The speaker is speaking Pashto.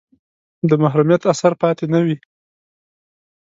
د محرومیت اثر پاتې نه وي.